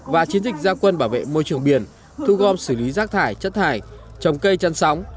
và chiến dịch gia quân bảo vệ môi trường biển thu gom xử lý rác thải chất thải trồng cây chăn sóng